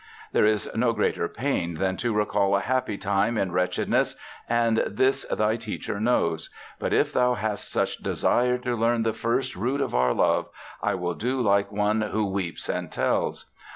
"'... There is no greater pain than to recall a happy time in wretchedness; and this thy teacher knows. But if thou hast such desire to learn the first root of our love, I will do like one who weeps and tells.